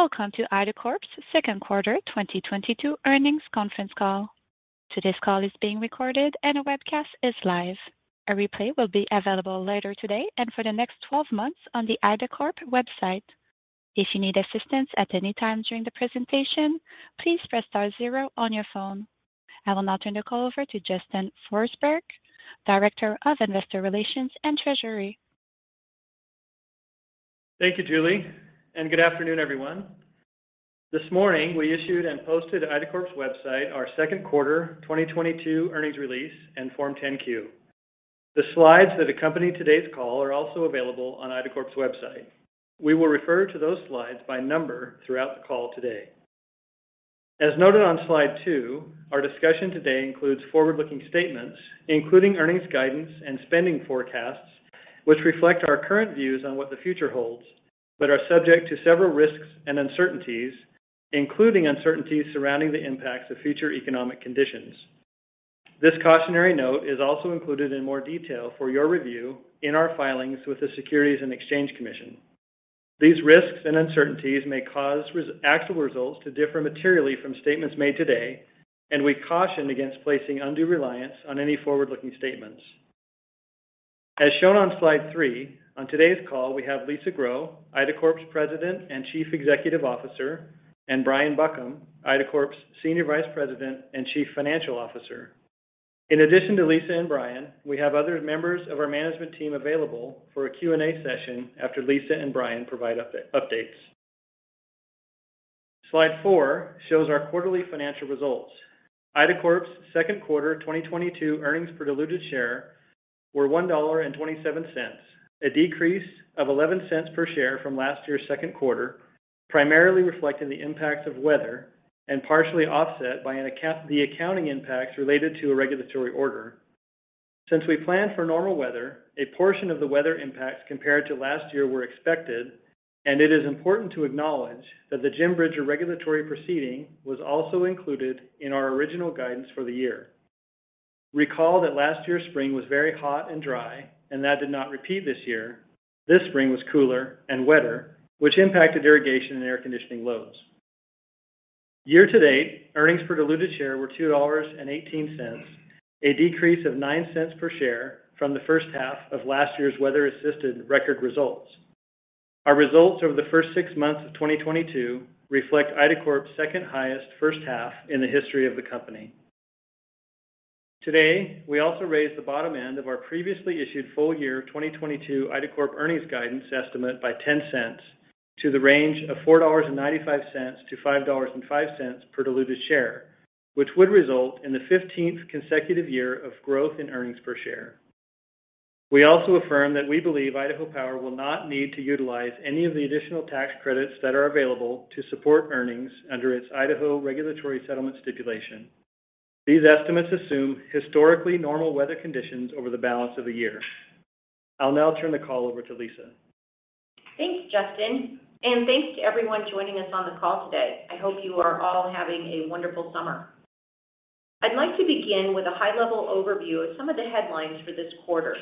Welcome to IDACORP's second quarter 2022 earnings conference call. Today's call is being recorded and a webcast is live. A replay will be available later today and for the next 12 months on the IDACORP website. If you need assistance at any time during the presentation, please press star zero on your phone. I will now turn the call over to Justin Forsberg, Director of Investor Relations and Treasury. Thank you, Julia, and good afternoon, everyone. This morning, we issued and posted on IDACORP's website our second quarter 2022 earnings release and Form 10-Q. The slides that accompany today's call are also available on IDACORP's website. We will refer to those slides by number throughout the call today. As noted on slide two, our discussion today includes forward-looking statements, including earnings guidance and spending forecasts, which reflect our current views on what the future holds, but are subject to several risks and uncertainties, including uncertainties surrounding the impacts of future economic conditions. This cautionary note is also included in more detail for your review in our filings with the Securities and Exchange Commission. These risks and uncertainties may cause actual results to differ materially from statements made today, and we caution against placing undue reliance on any forward-looking statements. As shown on slide three, on today's call we have Lisa Grow, IDACORP's President and Chief Executive Officer, and Brian Buckham, IDACORP's Senior Vice President and Chief Financial Officer. In addition to Lisa and Brian, we have other members of our management team available for a Q&A session after Lisa and Brian provide updates. Slide four shows our quarterly financial results. IDACORP's second quarter 2022 earnings per diluted share were $1.27, a decrease of $0.11 per share from last year's second quarter, primarily reflecting the impacts of weather and partially offset by the accounting impacts related to a regulatory order. Since we planned for normal weather, a portion of the weather impacts compared to last year were expected, and it is important to acknowledge that the Jim Bridger regulatory proceeding was also included in our original guidance for the year. Recall that last year's spring was very hot and dry, and that did not repeat this year. This spring was cooler and wetter, which impacted irrigation and air conditioning loads. Year-to-date, earnings per diluted share were $2.18, a decrease of $0.09 per share from the first half of last year's weather-assisted record results. Our results over the first six months of 2022 reflect IDACORP's second highest first half in the history of the company. Today, we also raised the bottom end of our previously issued full year 2022 IDACORP earnings guidance estimate by $0.10 to the range of $4.95-$5.05 per diluted share, which would result in the 15th consecutive year of growth in earnings per share. We also affirm that we believe Idaho Power will not need to utilize any of the additional tax credits that are available to support earnings under its Idaho regulatory settlement stipulation. These estimates assume historically normal weather conditions over the balance of the year. I'll now turn the call over to Lisa. Thanks, Justin. Thanks to everyone joining us on the call today. I hope you are all having a wonderful summer. I'd like to begin with a high-level overview of some of the headlines for this quarter,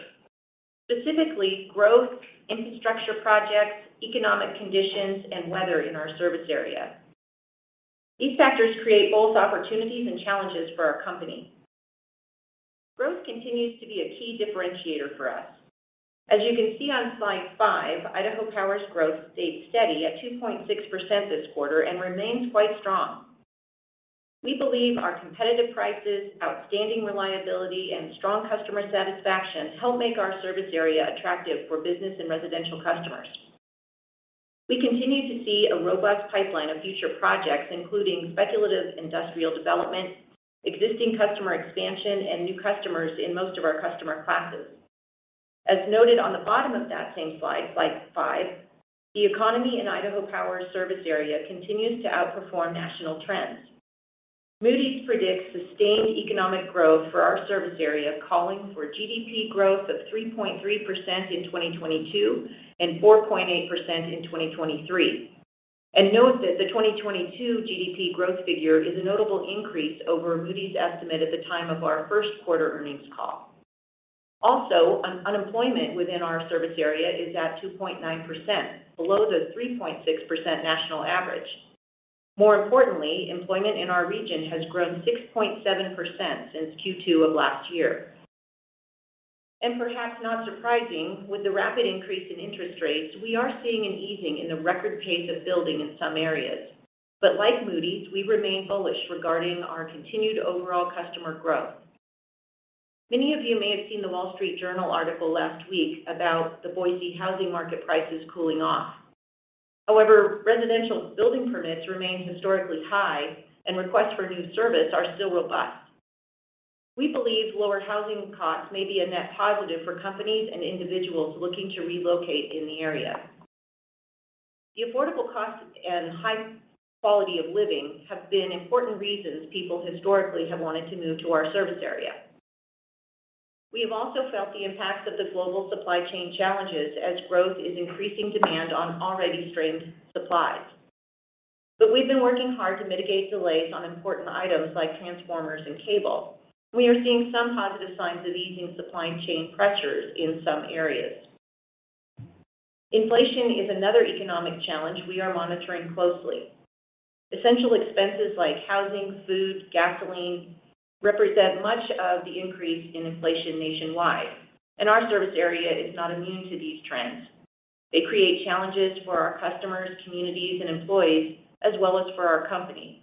specifically growth, infrastructure projects, economic conditions, and weather in our service area. These factors create both opportunities and challenges for our company. Growth continues to be a key differentiator for us. As you can see on slide five, Idaho Power's growth stayed steady at 2.6% this quarter and remains quite strong. We believe our competitive prices, outstanding reliability, and strong customer satisfaction help make our service area attractive for business and residential customers. We continue to see a robust pipeline of future projects, including speculative industrial development, existing customer expansion, and new customers in most of our customer classes. As noted on the bottom of that same slide five, the economy in Idaho Power's service area continues to outperform national trends. Moody's predicts sustained economic growth for our service area, calling for GDP growth of 3.3% in 2022 and 4.8% in 2023. Note that the 2022 GDP growth figure is a notable increase over Moody's estimate at the time of our first quarter earnings call. Also, unemployment within our service area is at 2.9%, below the 3.6% national average. More importantly, employment in our region has grown 6.7% since Q2 of last year. Perhaps not surprising, with the rapid increase in interest rates, we are seeing an easing in the record pace of building in some areas. Like Moody's, we remain bullish regarding our continued overall customer growth. Many of you may have seen The Wall Street Journal article last week about the Boise housing market prices cooling off. However, residential building permits remain historically high, and requests for new service are still robust. We believe lower housing costs may be a net positive for companies and individuals looking to relocate in the area. The affordable costs and high quality of living have been important reasons people historically have wanted to move to our service area. We have also felt the impacts of the global supply chain challenges as growth is increasing demand on already strained supplies. We've been working hard to mitigate delays on important items like transformers and cable. We are seeing some positive signs of easing supply chain pressures in some areas. Inflation is another economic challenge we are monitoring closely. Essential expenses like housing, food, gasoline represent much of the increase in inflation nationwide, and our service area is not immune to these trends. They create challenges for our customers, communities, and employees, as well as for our company.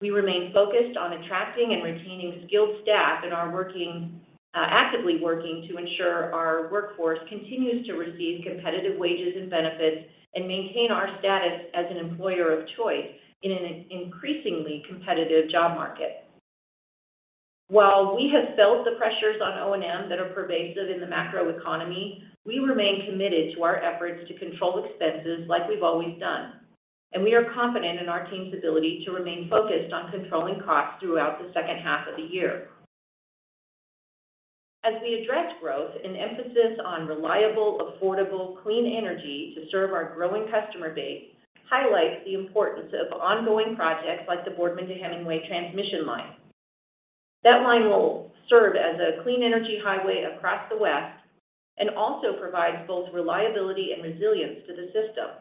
We remain focused on attracting and retaining skilled staff and are working actively to ensure our workforce continues to receive competitive wages and benefits and maintain our status as an employer of choice in an increasingly competitive job market. While we have felt the pressures on O&M that are pervasive in the macroeconomy, we remain committed to our efforts to control expenses like we've always done, and we are confident in our team's ability to remain focused on controlling costs throughout the second half of the year. As we address growth, an emphasis on reliable, affordable, clean energy to serve our growing customer base highlights the importance of ongoing projects like the Boardman to Hemingway transmission line. That line will serve as a clean energy highway across the West and also provides both reliability and resilience to the system.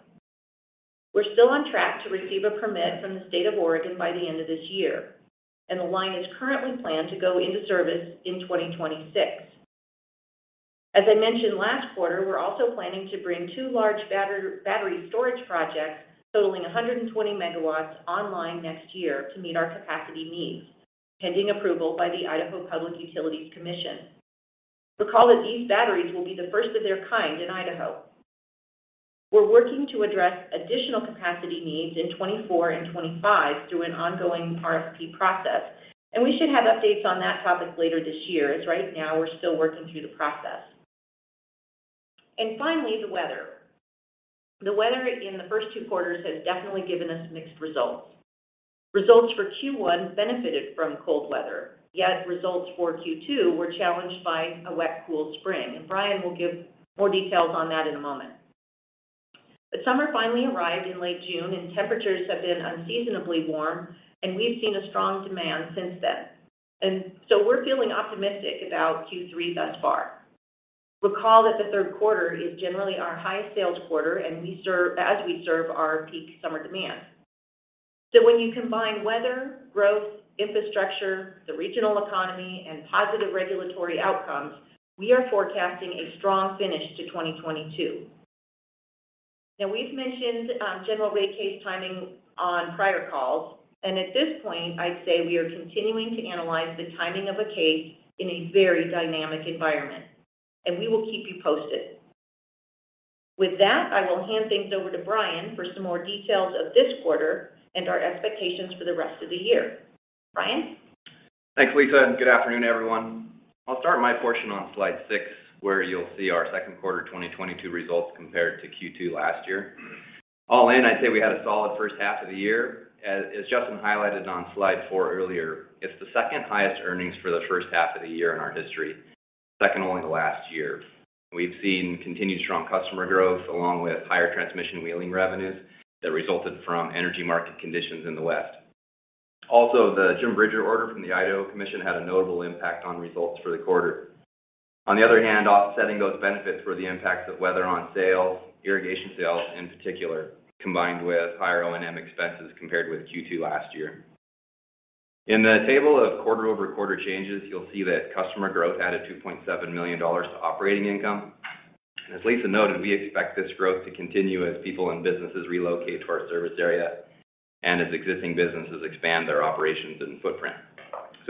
We're still on track to receive a permit from the state of Oregon by the end of this year, and the line is currently planned to go into service in 2026. As I mentioned last quarter, we're also planning to bring two large battery storage projects totaling 120 MW online next year to meet our capacity needs, pending approval by the Idaho Public Utilities Commission. Recall that these batteries will be the first of their kind in Idaho. We're working to address additional capacity needs in 2024 and 2025 through an ongoing RFP process, and we should have updates on that topic later this year, as right now we're still working through the process. Finally, the weather. The weather in the first two quarters has definitely given us mixed results. Results for Q1 benefited from cold weather, yet results for Q2 were challenged by a wet, cool spring, and Brian will give more details on that in a moment. The summer finally arrived in late June, and temperatures have been unseasonably warm, and we've seen a strong demand since then. We're feeling optimistic about Q3 thus far. Recall that the third quarter is generally our highest sales quarter as we serve our peak summer demand. When you combine weather, growth, infrastructure, the regional economy, and positive regulatory outcomes, we are forecasting a strong finish to 2022. Now, we've mentioned general rate case timing on prior calls, and at this point, I'd say we are continuing to analyze the timing of a case in a very dynamic environment, and we will keep you posted. With that, I will hand things over to Brian for some more details of this quarter and our expectations for the rest of the year. Brian? Thanks, Lisa, and good afternoon, everyone. I'll start my portion on slide six, where you'll see our second quarter 2022 results compared to Q2 last year. All in, I'd say we had a solid first half of the year. As Justin highlighted on slide four earlier, it's the second highest earnings for the first half of the year in our history, second only to last year. We've seen continued strong customer growth along with higher transmission wheeling revenues that resulted from energy market conditions in the West. Also, the Jim Bridger order from the Idaho Commission had a notable impact on results for the quarter. On the other hand, offsetting those benefits were the impacts of weather on sales, irrigation sales in particular, combined with higher O&M expenses compared with Q2 last year. In the table of quarter-over-quarter changes, you'll see that customer growth added $2.7 million to operating income. As Lisa noted, we expect this growth to continue as people and businesses relocate to our service area and as existing businesses expand their operations and footprint.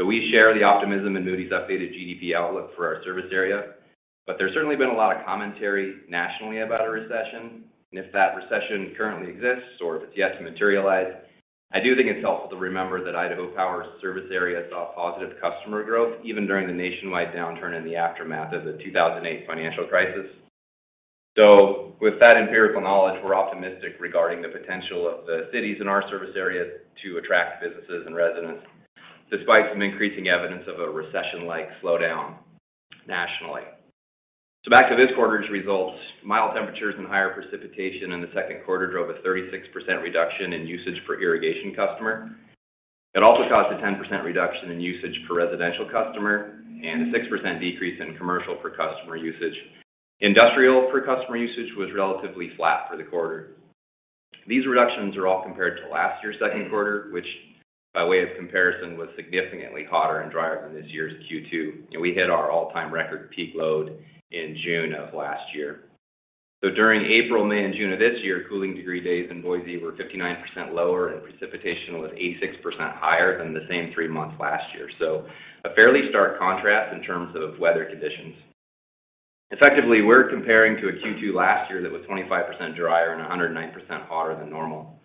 We share the optimism in Moody's updated GDP outlook for our service area, but there's certainly been a lot of commentary nationally about a recession. If that recession currently exists or if it's yet to materialize, I do think it's helpful to remember that Idaho Power's service area saw positive customer growth even during the nationwide downturn in the aftermath of the 2008 financial crisis. With that empirical knowledge, we're optimistic regarding the potential of the cities in our service area to attract businesses and residents, despite some increasing evidence of a recession-like slowdown nationally. Back to this quarter's results, mild temperatures and higher precipitation in the second quarter drove a 36% reduction in usage per irrigation customer. It also caused a 10% reduction in usage per residential customer and a 6% decrease in commercial per customer usage. Industrial per customer usage was relatively flat for the quarter. These reductions are all compared to last year's second quarter, which by way of comparison was significantly hotter and drier than this year's Q2. We hit our all-time record peak load in June of last year. During April, May, and June of this year, cooling degree days in Boise were 59% lower and precipitation was 86% higher than the same three months last year. A fairly stark contrast in terms of weather conditions. Effectively, we're comparing to a Q2 last year that was 25% drier and 109% hotter than normal.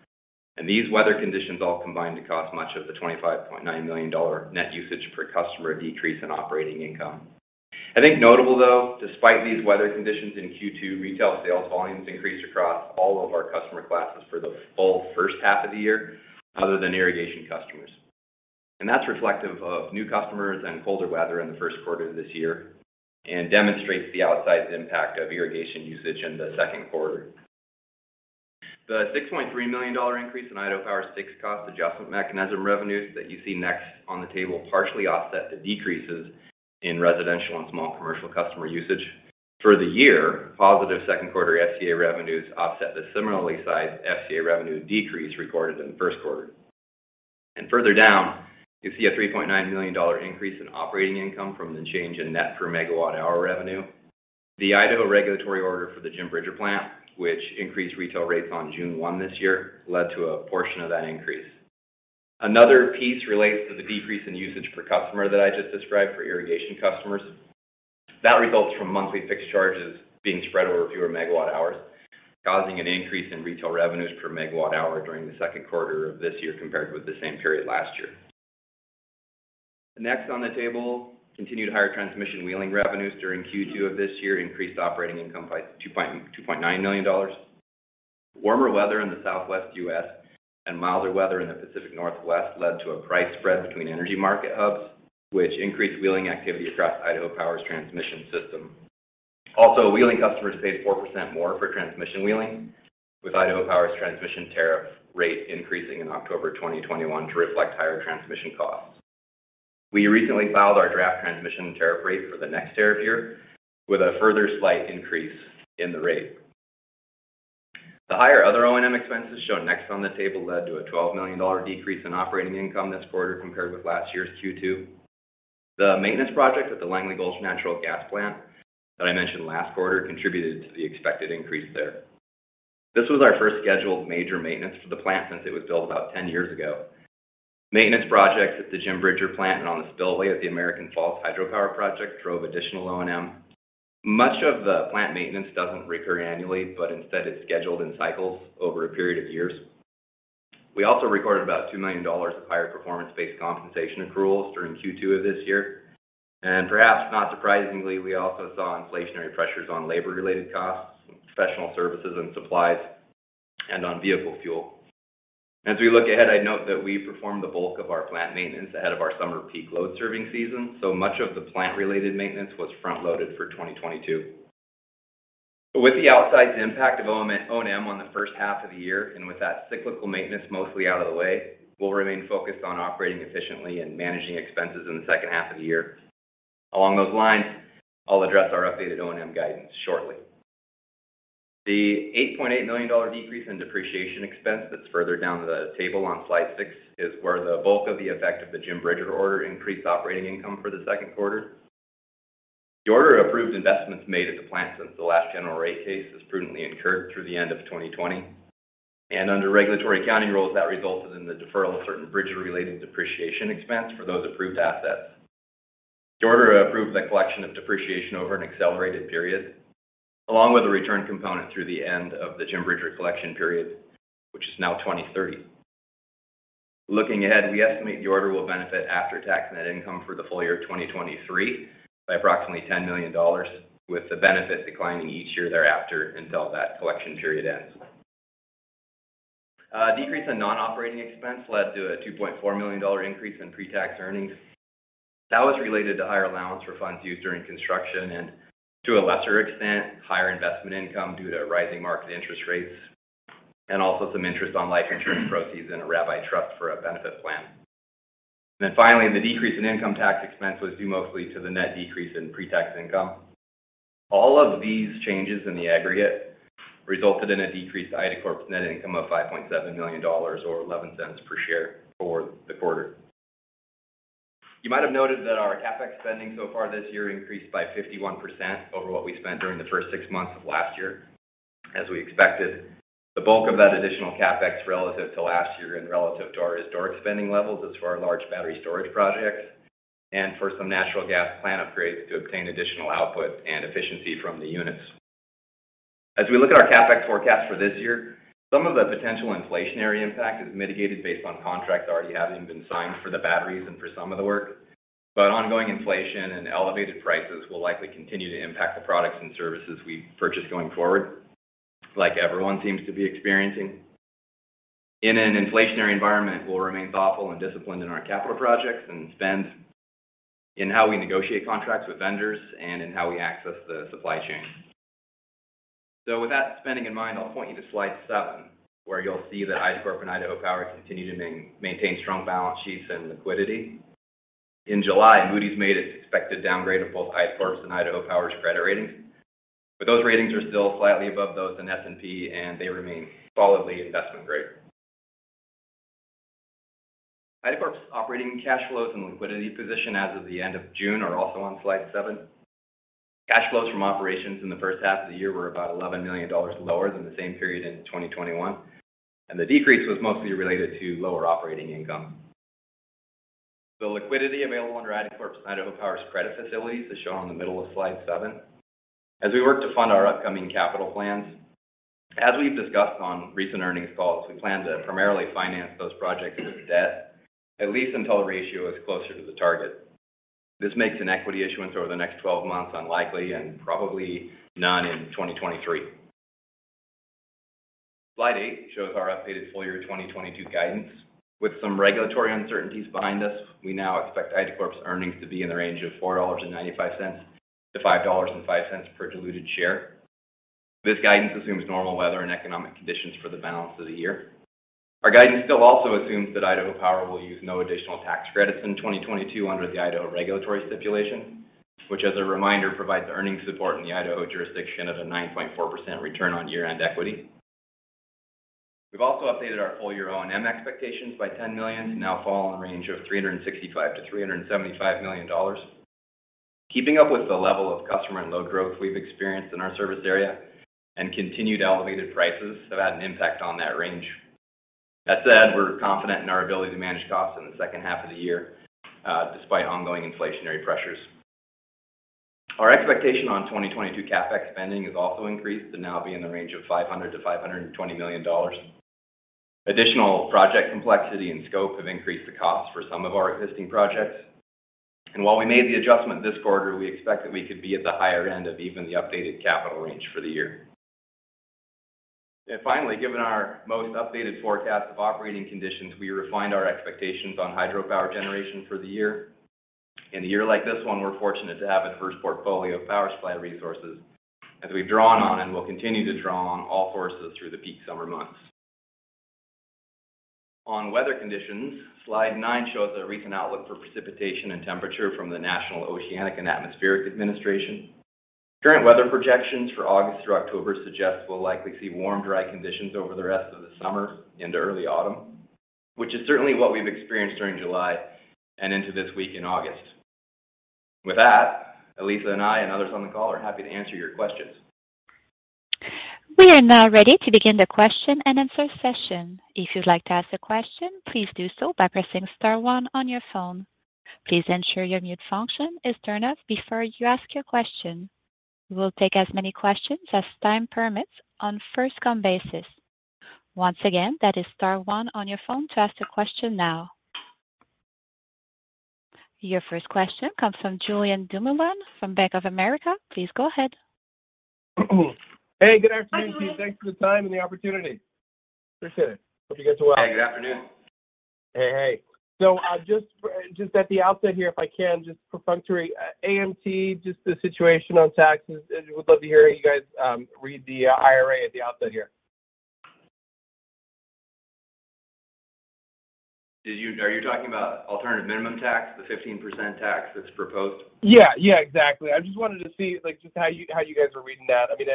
These weather conditions all combined to cause much of the $25.9 million net usage per customer decrease in operating income. I think, notable though, despite these weather conditions in Q2, retail sales volumes increased across all of our customer classes for the full first half of the year, other than irrigation customers. That's reflective of new customers and colder weather in the first quarter of this year and demonstrates the outsized impact of irrigation usage in the second quarter. The $6.3 million increase in Idaho Power's fixed cost adjustment mechanism revenues that you see next on the table partially offset the decreases in residential and small commercial customer usage. For the year, positive second quarter FCA revenues offset the similarly sized FCA revenue decrease recorded in the first quarter. Further down, you see a $3.9 million increase in operating income from the change in net per megawatt-hour revenue. The Idaho regulatory order for the Jim Bridger Plant, which increased retail rates on June 1 this year, led to a portion of that increase. Another piece relates to the decrease in usage per customer that I just described for irrigation customers. That results from monthly fixed charges being spread over fewer megawatt hours, causing an increase in retail revenues per megawatt hour during the second quarter of this year compared with the same period last year. Next on the table, continued higher transmission wheeling revenues during Q2 of this year increased operating income by $2.9 million. Warmer weather in the Southwest U.S. and milder weather in the Pacific Northwest led to a price spread between energy market hubs, which increased wheeling activity across Idaho Power's transmission system. Wheeling customers paid 4% more for transmission wheeling, with Idaho Power's transmission tariff rate increasing in October 2021 to reflect higher transmission costs. We recently filed our draft transmission tariff rate for the next tariff year with a further slight increase in the rate. The higher other O&M expenses shown next on the table led to a $12 million decrease in operating income this quarter compared with last year's Q2. The maintenance projects at the Langley Gulch Natural Gas Plant that I mentioned last quarter contributed to the expected increase there. This was our first scheduled major maintenance for the plant since it was built about 10 years ago. Maintenance projects at the Jim Bridger Plant and on the spillway at the American Falls Hydropower Project drove additional O&M. Much of the plant maintenance doesn't recur annually, but instead it's scheduled in cycles over a period of years. We also recorded about $2 million of higher performance-based compensation accruals during Q2 of this year. Perhaps not surprisingly, we also saw inflationary pressures on labor-related costs, professional services and supplies, and on vehicle fuel. As we look ahead, I note that we performed the bulk of our plant maintenance ahead of our summer peak load-serving season, so much of the plant-related maintenance was front-loaded for 2022. With the outsized impact of O&M on the first half of the year and with that cyclical maintenance mostly out of the way, we'll remain focused on operating efficiently and managing expenses in the second half of the year. Along those lines, I'll address our updated O&M guidance shortly. The $8.8 million decrease in depreciation expense that's further down the table on slide six is where the bulk of the effect of the Jim Bridger order increased operating income for the second quarter. The order approved investments made at the plant since the last general rate case was prudently incurred through the end of 2020. Under regulatory accounting rules, that resulted in the deferral of certain Bridger-related depreciation expense for those approved assets. The order approved the collection of depreciation over an accelerated period, along with a return component through the end of the Jim Bridger collection period, which is now 2030. Looking ahead, we estimate the order will benefit after-tax net income for the full year 2023 by approximately $10 million, with the benefit declining each year thereafter until that collection period ends. A decrease in non-operating expense led to a $2.4 million increase in pre-tax earnings. That was related to higher allowance for funds used during construction and, to a lesser extent, higher investment income due to rising market interest rates and also some interest on life insurance proceeds in a Rabbi trust for a benefit plan. Finally, the decrease in income tax expense was due mostly to the net decrease in pre-tax income. All of these changes in the aggregate resulted in a decreased IDACORP's net income of $5.7 million or $0.11 per share for the quarter. You might have noted that our CapEx spending so far this year increased by 51% over what we spent during the first six months of last year. As we expected, the bulk of that additional CapEx relative to last year and relative to our historic spending levels is for our large battery storage projects and for some natural gas plant upgrades to obtain additional output and efficiency from the units. As we look at our CapEx forecast for this year, some of the potential inflationary impact is mitigated based on contracts already having been signed for the batteries and for some of the work. Ongoing inflation and elevated prices will likely continue to impact the products and services we purchase going forward, like everyone seems to be experiencing. In an inflationary environment, we'll remain thoughtful and disciplined in our capital projects and spend in how we negotiate contracts with vendors and in how we access the supply chain. With that spending in mind, I'll point you to slide seven, where you'll see that IDACORP and Idaho Power continue to maintain strong balance sheets and liquidity. In July, Moody's made its expected downgrade of both IDACORP's and Idaho Power's credit ratings. Those ratings are still slightly above those in S&P, and they remain solidly investment-grade. IDACORP's operating cash flows and liquidity position as of the end of June are also on slide seven. Cash flows from operations in the first half of the year were about $11 million lower than the same period in 2021, and the decrease was mostly related to lower operating income. The liquidity available under IDACORP's and Idaho Power's credit facilities is shown on the middle of slide seven. As we work to fund our upcoming capital plans, as we've discussed on recent earnings calls, we plan to primarily finance those projects with debt, at least until the ratio is closer to the target. This makes an equity issuance over the next 12 months unlikely and probably none in 2023. Slide eight shows our updated full-year 2022 guidance. With some regulatory uncertainties behind us, we now expect IDACORP's earnings to be in the range of $4.95-$5.05 per diluted share. This guidance assumes normal weather and economic conditions for the balance of the year. Our guidance still also assumes that Idaho Power will use no additional tax credits in 2022 under the Idaho regulatory stipulation, which, as a reminder, provides earnings support in the Idaho jurisdiction of a 9.4% return on year-end equity. We've also updated our full year O&M expectations by $10 million, to now fall in the range of $365 million-$375 million. Keeping up with the level of customer and load growth we've experienced in our service area and continued elevated prices have had an impact on that range. That said, we're confident in our ability to manage costs in the second half of the year, despite ongoing inflationary pressures. Our expectation on 2022 CapEx spending is also increased to now be in the range of $500 million-$520 million. Additional project complexity and scope have increased the cost for some of our existing projects. While we made the adjustment this quarter, we expect that we could be at the higher end of even the updated capital range for the year. Finally, given our most updated forecast of operating conditions, we refined our expectations on hydropower generation for the year. In a year like this one, we're fortunate to have a diverse portfolio of power supply resources as we've drawn on and will continue to draw on all sources through the peak summer months. On weather conditions, slide nine shows the recent outlook for precipitation and temperature from the National Oceanic and Atmospheric Administration. Current weather projections for August through October suggest we'll likely see warm, dry conditions over the rest of the summer into early autumn, which is certainly what we've experienced during July and into this week in August. With that, Lisa and I, and others on the call are happy to answer your questions. We are now ready to begin the question and answer session. If you'd like to ask a question, please do so by pressing star one on your phone. Please ensure your mute function is turned off before you ask your question. We will take as many questions as time permits on first come basis. Once again, that is star one on your phone to ask a question now. Your first question comes from Julien Dumoulin from Bank of America. Please go ahead. Hey, good afternoon, team. Thanks for the time and the opportunity. Appreciate it. Hope you guys are well. Hey, good afternoon. Hey. Just at the outset here, if I can, just perfunctory, AMT, just the situation on taxes. Would love to hear you guys read the IRA at the outset here. Are you talking about alternative minimum tax, the 15% tax that's proposed? Yeah. Yeah, exactly. I just wanted to see, like, just how you guys are reading that. I mean,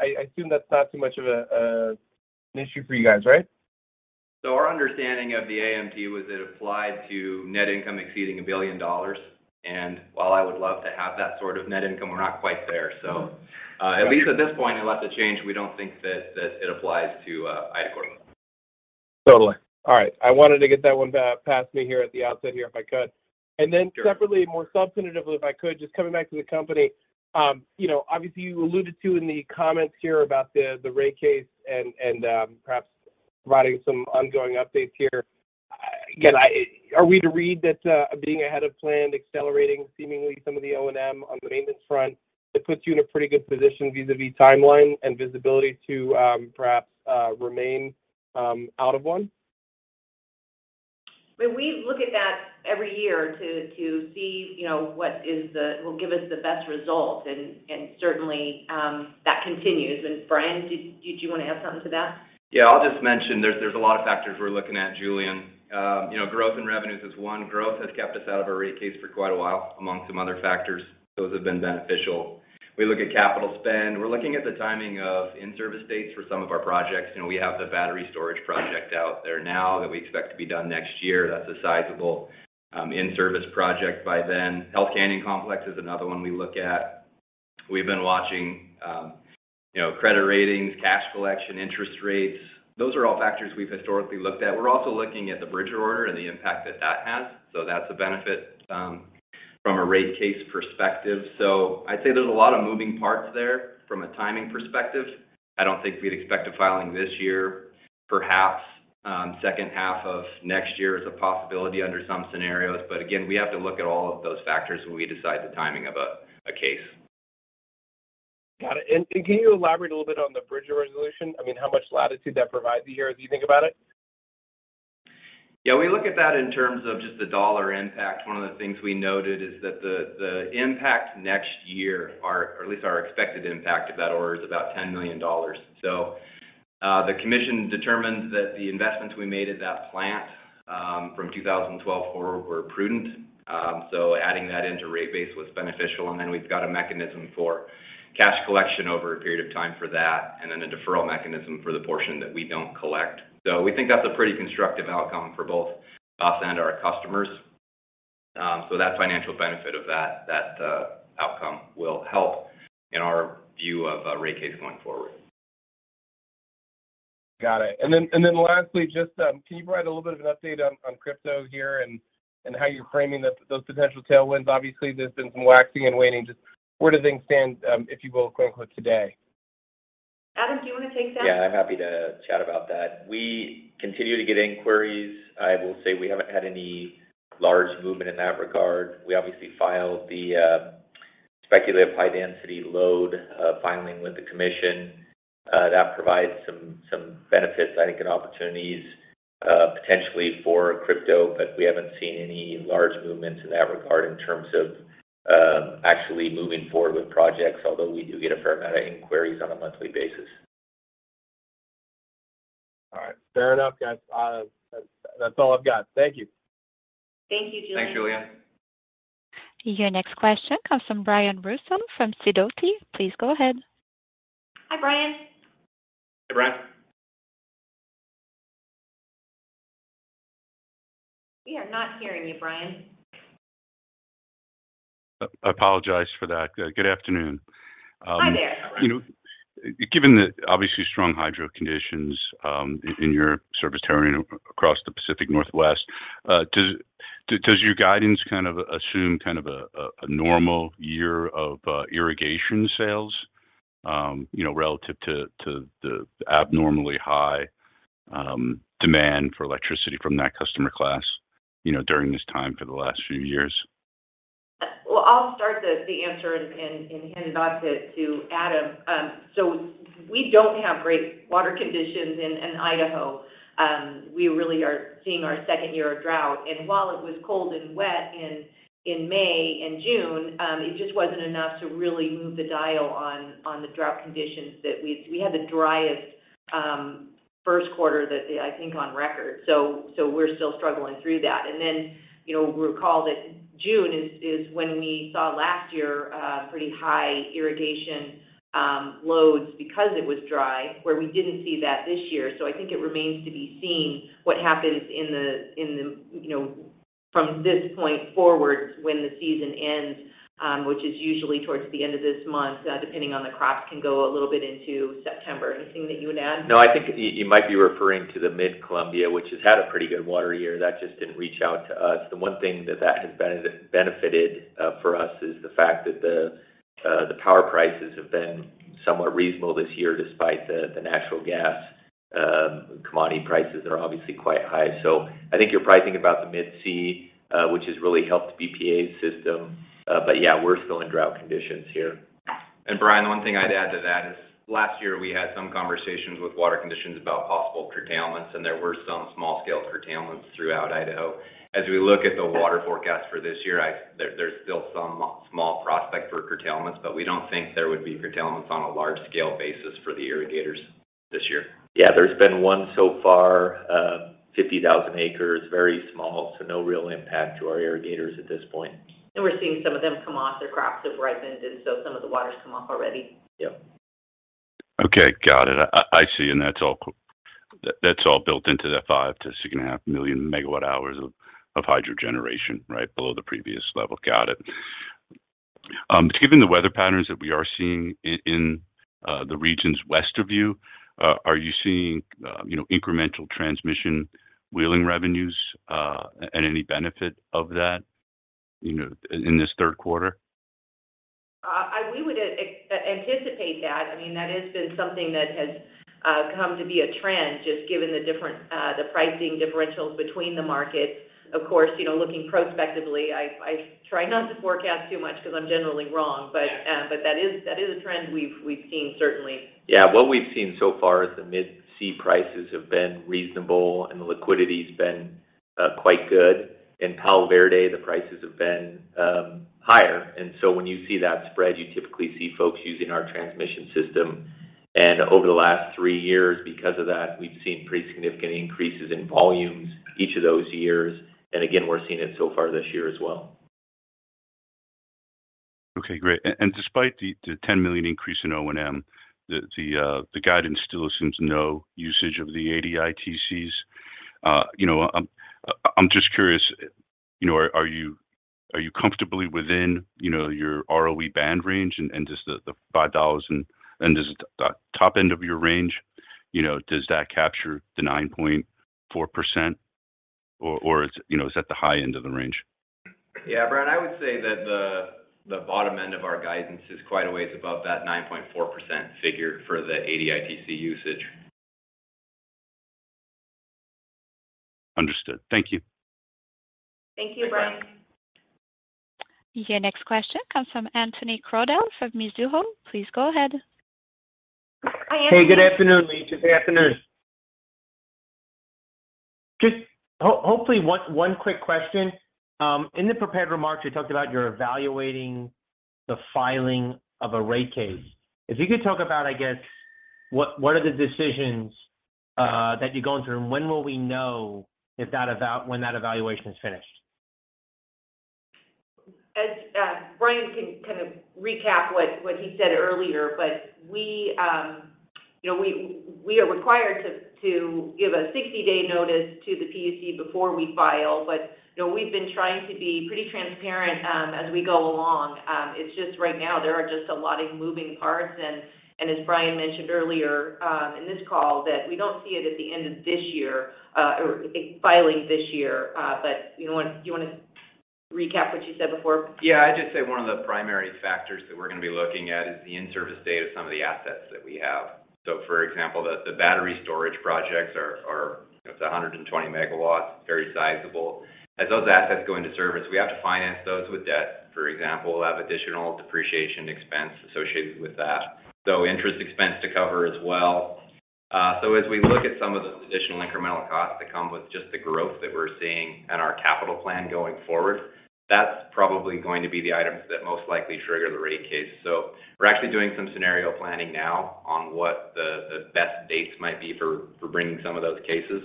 I assume that's not too much of an issue for you guys, right? Our understanding of the AMT was it applied to net income exceeding $1 billion. While I would love to have that sort of net income, we're not quite there. At least at this point, unless it change, we don't think that it applies to Idaho. Totally. All right. I wanted to get that one back past me here at the outset here, if I could. Separately, more substantively, if I could, just coming back to the company, you know, obviously, you alluded to in the comments here about the rate case and perhaps providing some ongoing updates here. Again, are we to read that being ahead of plan, accelerating seemingly some of the O&M on the maintenance front, that puts you in a pretty good position vis-à-vis timeline and visibility to perhaps remain out of one? When we look at that every year to see, you know, what will give us the best result, and certainly that continues. Brian, did you want to add something to that? Yeah. I'll just mention there's a lot of factors we're looking at, Julien. You know, growth in revenues is one. Growth has kept us out of a rate case for quite a while, among some other factors. Those have been beneficial. We look at capital spend. We're looking at the timing of in-service dates for some of our projects. You know, we have the battery storage project out there now that we expect to be done next year. That's a sizable in-service project by then. Hells Canyon Complex is another one we look at. We've been watching you know, credit ratings, cash collection, interest rates. Those are all factors we've historically looked at. We're also looking at the Bridger order and the impact that has. That's a benefit from a rate case perspective. I'd say there's a lot of moving parts there from a timing perspective. I don't think we'd expect a filing this year. Perhaps, second half of next year is a possibility under some scenarios. Again, we have to look at all of those factors when we decide the timing of a case. Got it. Can you elaborate a little bit on the Bridger resolution? I mean, how much latitude that provides you here as you think about it? Yeah, we look at that in terms of just the dollar impact. One of the things we noted is that the impact next year, or at least our expected impact of that order is about $10 million. The commission determined that the investments we made at that plant from 2012 forward were prudent. Adding that into rate base was beneficial. We've got a mechanism for cash collection over a period of time for that, and then a deferral mechanism for the portion that we don't collect. We think that's a pretty constructive outcome for both us and our customers. That financial benefit of that outcome will help in our view of a rate case going forward. Got it. Lastly, just, can you provide a little bit of an update on crypto here and how you're framing those potential tailwinds? Obviously, there's been some waxing and waning. Just where do things stand, if you will, quote unquote, "today"? Adam, do you want to take that? Yeah, I'm happy to chat about that. We continue to get inquiries. I will say we haven't had any large movement in that regard. We obviously filed the speculative high density load filing with the commission. That provides some benefits, I think, and opportunities, potentially for crypto, but we haven't seen any large movements in that regard in terms of actually moving forward with projects, although we do get a fair amount of inquiries on a monthly basis. All right. Fair enough, guys. That's all I've got. Thank you. Thank you, Julien. Thanks, Julien. Your next question comes from Brian Russo from Sidoti. Please go ahead. Hi, Brian. Hey, Brian. We are not hearing you, Brian. I apologize for that. Good afternoon. Hi there. You know, given the obviously strong hydro conditions in your service terrain across the Pacific Northwest, does your guidance kind of assume kind of a normal year of irrigation sales, you know, relative to the abnormally high demand for electricity from that customer class, you know, during this time for the last few years? Well, I'll start the answer and hand it off to Adam. We don't have great water conditions in Idaho. We really are seeing our second year of drought. While it was cold and wet in May and June, it just wasn't enough to really move the dial on the drought conditions that we had the driest first quarter that, I think, on record. We're still struggling through that. You know, recall that June is when we saw last year pretty high irrigation loads because it was dry, where we didn't see that this year. I think it remains to be seen what happens in the, you know, from this point forward when the season ends, which is usually towards the end of this month, depending on the crops, can go a little bit into September. Anything that you would add? No, I think you might be referring to the Mid-Columbia, which has had a pretty good water year. That just didn't reach out to us. The one thing that has benefited for us is the fact that the power prices have been somewhat reasonable this year despite the natural gas commodity prices are obviously quite high. I think you're probably thinking about the Mid-C, which has really helped BPA's system. Yeah, we're still in drought conditions here. Brian, the one thing I'd add to that is last year we had some conversations with water conditions about possible curtailments, and there were some small scale curtailments throughout Idaho. As we look at the water forecast for this year, there's still some small prospect for curtailments, but we don't think there would be curtailments on a large scale basis for the irrigators this year. Yeah. There's been one so far, 50,000 acres, very small, so no real impact to our irrigators at this point. We're seeing some of them come off. Their crops have ripened, and so some of the water's come off already. Yeah. Okay. Got it. I see. That's all built into that 5-6.5 million MWh of hydro generation, right, below the previous level. Got it. Given the weather patterns that we are seeing in the regions west of you, are you seeing, you know, incremental transmission wheeling revenues, and any benefit of that, you know, in this third quarter? We would anticipate that. I mean, that has been something that has come to be a trend, just given the different pricing differentials between the markets. Of course, you know, looking prospectively, I try not to forecast too much because I'm generally wrong. That is a trend we've seen certainly. Yeah. What we've seen so far is the Mid-C prices have been reasonable and the liquidity's been quite good. In Palo Verde, the prices have been higher. When you see that spread, you typically see folks using our transmission system. Over the last three years, because of that, we've seen pretty significant increases in volumes each of those years. Again, we're seeing it so far this year as well. Okay, great. Despite the $10 million increase in O&M, the guidance still assumes no usage of the ADITs. You know, I'm just curious, you know, are you comfortably within your ROE band range? Does the $5 and does the top end of your range, you know, does that capture the 9.4%, or you know, is that the high end of the range? Yeah. Brian, I would say that the bottom end of our guidance is quite a ways above that 9.4% figure for the ADITC usage. Understood. Thank you. Thank you, Brian. Your next question comes from Anthony Crowdell of Mizuho. Please go ahead. Hi, Anthony. Hey, good afternoon. Ladies, good afternoon. Just hopefully one quick question. In the prepared remarks, you talked about you're evaluating the filing of a rate case. If you could talk about, I guess, what are the decisions that you're going through, and when will we know when that evaluation is finished? Brian can kind of recap what he said earlier, but we you know we are required to give a 60-day notice to the PUC before we file. You know, we've been trying to be pretty transparent as we go along. It's just right now, there are just a lot of moving parts. As Brian mentioned earlier in this call that we don't see it at the end of this year or filing this year. You know, do you wanna recap what you said before? Yeah. I'd just say one of the primary factors that we're gonna be looking at is the in-service date of some of the assets that we have. For example, the battery storage projects are, you know, it's 120 megawatts, very sizable. As those assets go into service, we have to finance those with debt. For example, we'll have additional depreciation expense associated with that. Interest expense to cover as well. As we look at some of the additional incremental costs that come with just the growth that we're seeing in our capital plan going forward, that's probably going to be the items that most likely trigger the rate case. We're actually doing some scenario planning now on what the best dates might be for bringing some of those cases.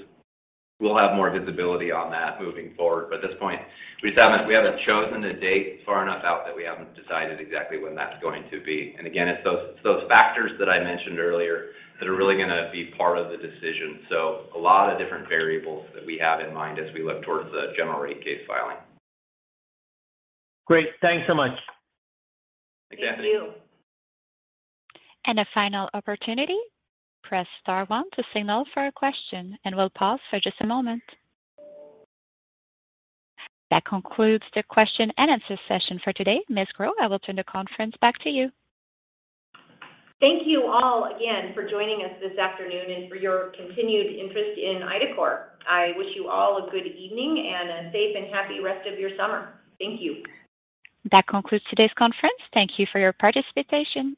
We'll have more visibility on that moving forward. At this point, we just haven't chosen a date far enough out that we haven't decided exactly when that's going to be. Again, it's those factors that I mentioned earlier that are really gonna be part of the decision. A lot of different variables that we have in mind as we look towards the general rate case filing. Great. Thanks so much. Again. Thank you. A final opportunity, press star one to signal for a question, and we'll pause for just a moment. That concludes the question and answer session for today. Ms. Grow, I will turn the conference back to you. Thank you all again for joining us this afternoon and for your continued interest in IDACORP. I wish you all a good evening and a safe and happy rest of your summer. Thank you. That concludes today's conference. Thank you for your participation.